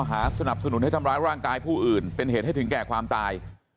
สนับสนุนให้ทำร้ายร่างกายผู้อื่นเป็นเหตุให้ถึงแก่ความตาย